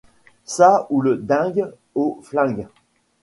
Ça ou le dingue au flingue.